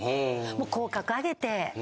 口角上げて。